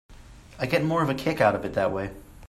I get more of a kick out of it that way.